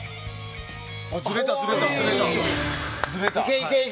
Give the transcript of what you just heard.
ずれた、ずれた。